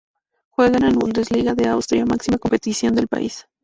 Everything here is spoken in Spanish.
Juega en la Bundesliga de Austria, máxima competición del país.